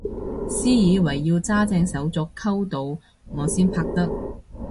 私以為要揸正手續溝到我先拍得